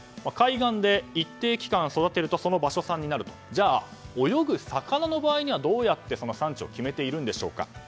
海岸で一定期間育てるとその場所産になるとでは、泳ぐ魚の場合はどうやって産地を決めているんでしょうか。